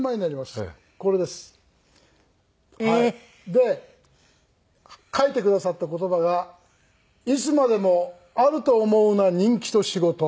で書いてくださった言葉が「いつまでもあると思うな人気と仕事」。